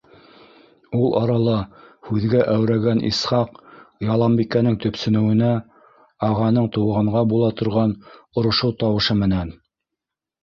Ул арала һүҙгә әүрәткән Исхаҡ Яланбикәнең төпсөнөүенә, ағаның туғанға була торған орошоу тауышы менән: